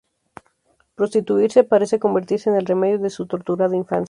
Prostituirse "parece" convertirse en el remedio a su "torturada infancia".